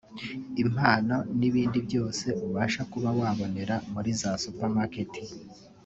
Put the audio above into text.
impano n’ibindi byose ubasha kuba wabonera muri za supermarket